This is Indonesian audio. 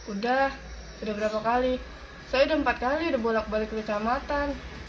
udah udah berapa kali saya udah empat kali udah bolak balik ke kecamatan